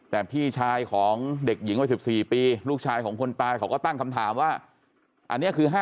แต่พี่ชายของเด็กหญิงวัย๑๔ปีลูกชายของคนตายเขาก็ตั้งคำถามว่าอันนี้คือ๕๐